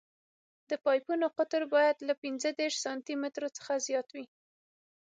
د پایپونو قطر باید له پینځه دېرش سانتي مترو زیات وي